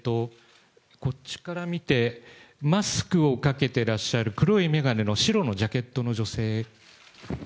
こっちから見て、マスクをかけてらっしゃる黒い眼鏡の白のジャケットの女性。